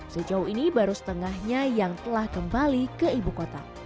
sejauh ini baru setengahnya yang telah kembali ke ibu kota